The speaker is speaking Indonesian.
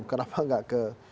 kenapa gak ke megawati megawati